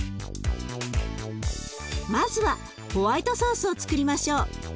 まずはホワイトソースをつくりましょう。